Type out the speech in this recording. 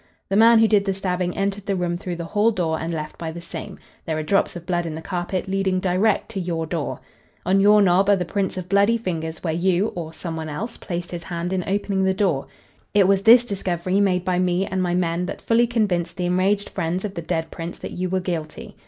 The man who did the stabbing entered the room through the hall door and left by the same. There are drops of blood in the carpet, leading direct to your door. On your knob are the prints of bloody fingers where you or some one else placed his hand in opening the door. It was this discovery, made by me and my men, that fully convinced the enraged friends of the dead Prince that you were guilty.